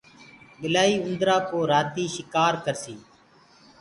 ٻلآئيٚ اُوندرآ ڪو رآتي شِڪآر ڪرسي۔